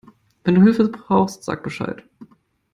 Wenn du Hilfe brauchst, sag Bescheid.